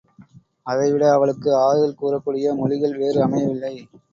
அதைவிட அவளுக்கு ஆறுதல் கூறக்கூடிய மொழிகள் வேறு அமையவில்லை.